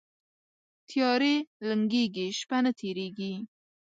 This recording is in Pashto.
تیارې لنګیږي، شپه نه تیریږي